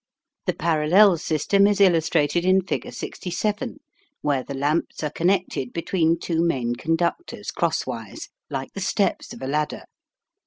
The parallel system is illustrated in figure 67, where the lamps are connected between two main conductors cross wise, like the steps of a ladder.